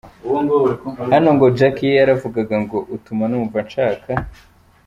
Hano ngo Jackie yaravugaga ngo: Utuma numva nshaka.